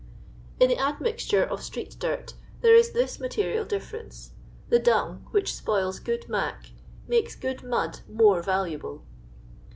In the admixture of street dirt there is this material difference — the dung, which spoils good mac," makes good mud more valuable.